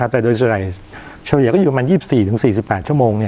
แต่โดยเฉลี่ยก็อยู่ประมาณ๒๔๔๘ชั่วโมง